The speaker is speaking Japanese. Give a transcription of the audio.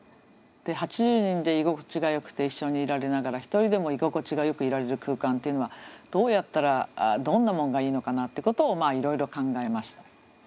８０人で居心地がよくて一緒にいられながら一人でも居心地がよくいられる空間っていうのはどうやったらどんなもんがいいのかなってことをいろいろ考えました。